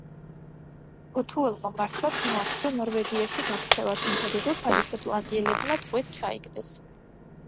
ბოთუელმა მართლაც მოასწრო ნორვეგიაში გაქცევა, თუმცა დედოფალი შოტლანდიელებმა ტყვედ ჩაიგდეს.